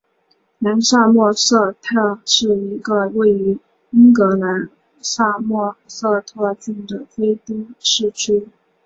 南萨默塞特是一个位于英格兰萨默塞特郡的非都市区。